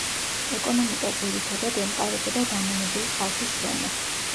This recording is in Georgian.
ეკონომიკა ძირითადად ემყარებოდა დამონებული ხალხის შრომას.